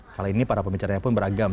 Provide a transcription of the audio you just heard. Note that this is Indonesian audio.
kali ini para pembicaranya pun beragam